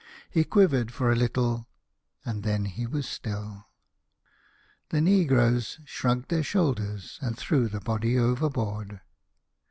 He quivered for a little, and then he was still. The negroes shrugged their shoulders, and threw the body overboard.